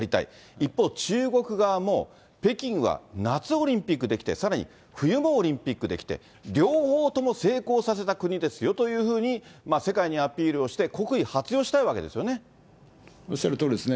一方、中国側も、北京は夏オリンピックできて、さらに冬もオリンピックできて、両方とも成功させた国ですよというふうに、世界にアピールをして、おっしゃるとおりですね。